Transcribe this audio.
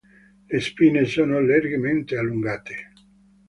Le spine sonno leggermente allungate.